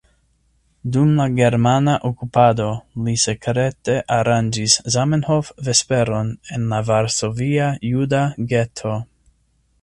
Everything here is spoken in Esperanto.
Dum la germana okupado li sekrete aranĝis Zamenhof-vesperon en la Varsovia juda geto.